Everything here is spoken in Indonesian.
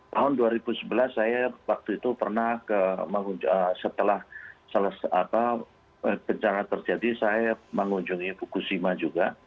tahun dua ribu sebelas saya waktu itu pernah setelah bencana terjadi saya mengunjungi fukusima juga